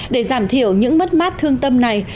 để giảm thiểu những mất mát thương tâm này